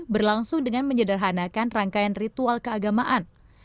berlangsung dengan menyederhanakan rangkaian ritual keagamaan